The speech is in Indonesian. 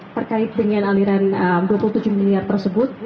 terkait dengan aliran rp dua puluh tujuh miliar tersebut